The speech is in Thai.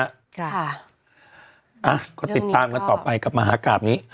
ค่ะอ่ะก็ติดตามกันต่อไปกับมหากราบนี้